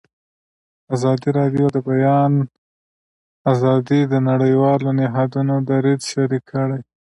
ازادي راډیو د د بیان آزادي د نړیوالو نهادونو دریځ شریک کړی.